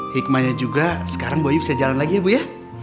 hikmahnya juga sekarang buaya bisa jalan lagi ya bu ya